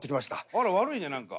あら悪いね何か。